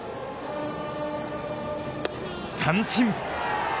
三振。